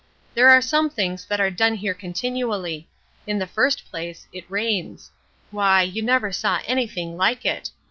There are some things that are done here continually. In the first place, it rains. Why, you never saw anything like it!